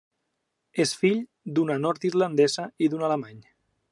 És fill d'una nord-irlandesa i d'un alemany.